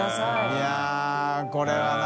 い笋これはな。